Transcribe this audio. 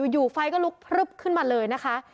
อยู่ไฟก็ลุกพลึบขึ้นมาเลยนะคะ